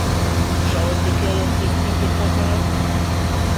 Charlotte Becker lance le sprint aux trois cents mètres.